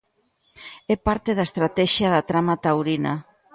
É parte da estratexia da trama taurina.